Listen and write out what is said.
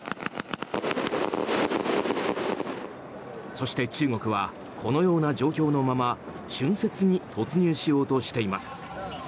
そして中国はこのような状況のまま春節に突入しようとしています。